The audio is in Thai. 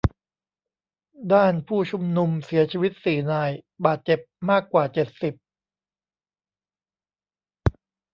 ด้านผู้ชุมนุมเสียชีวิตสี่นาย บาดเจ็บมากกว่าเจ็ดสิบ